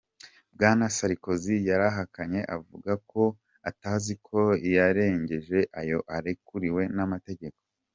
Bwana Sarkozy yarahakanye avuga ko atazi ko yarengeje ayo arekuriwe n'amategeko.